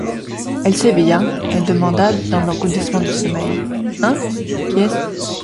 Elle s’éveilla, elle demanda, dans l’engourdissement du sommeil: — Hein? qui est-ce ?